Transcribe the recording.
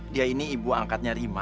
dia ini ibu angkatnya rima